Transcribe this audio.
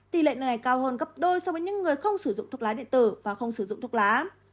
tỷ lệ này cao hơn gấp đôi so với những người không sử dụng thuốc lá điện tử và không sử dụng thuốc lá